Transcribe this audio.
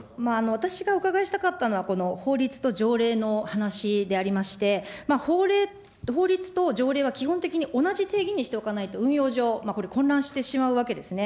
私がお伺いしたかったのは、法律と条例の話でありまして、法令、法律と条令は基本的に同じ定義にしておかないと、運用上、これ、混乱してしまうわけですね。